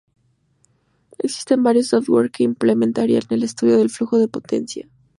Existen varios software que implementan el estudio del flujo de potencia.